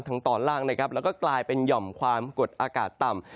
ทางต่อล่างแล้วก็กลายเป็นหย่อมความกดอากาศต่ำ